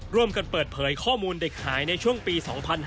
ร่วมกันเปิดเผยข้อมูลเด็กหายในช่วงปี๒๕๕๙